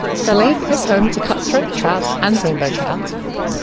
The lake is home to cutthroat trout and rainbow trout.